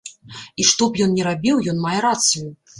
І што б ён ні рабіў, ён мае рацыю.